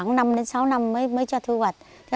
khoảng năm đến sáu năm mới cho thu hoạch